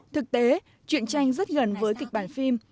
thực tế chuyện tranh rất gần với kịch bản phim